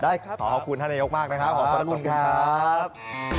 ได้ครับขอขอบคุณท่านนายกมากนะครับขอบคุณครับขอบคุณครับขอบคุณครับ